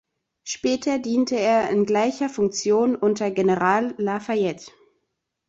Später diente er in gleicher Funktion unter General La Fayette.